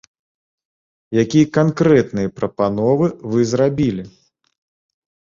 Якія канкрэтныя прапановы вы зрабілі?